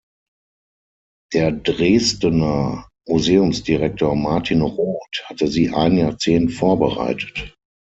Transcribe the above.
Der Dresdener Museumsdirektor Martin Roth hatte sie ein Jahrzehnt vorbereitet.